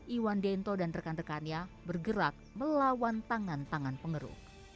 iwan dento dan rekan rekannya bergerak melawan tangan tangan pengeruk